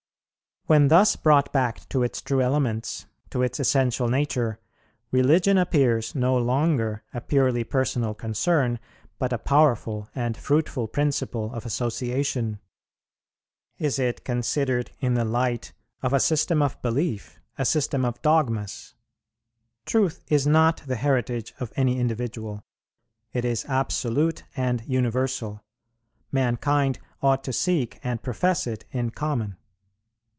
"When thus brought back to its true elements, to its essential nature, religion appears no longer a purely personal concern, but a powerful and fruitful principle of association. Is it considered in the light of a system of belief, a system of dogmas? Truth is not the heritage of any individual, it is absolute and universal; mankind ought to seek and profess it in common.